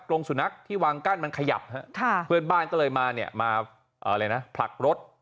ลงสุนัขที่วางกั้นมันขยับเพื่อนบ้านก็เลยมาเนี่ยมาผลักรถ